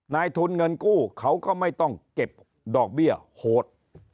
นายทุนเงินกู้เขาก็ไม่ต้องเก็บดอกเบี้ยโหด